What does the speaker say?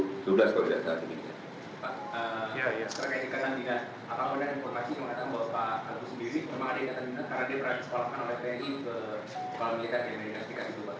pak apakah anda informasi bahwa pak agus sendiri memang ada ingatan dinas karena dia pernah disekolahkan oleh tni ke kuala milik ardian merindas di kt ii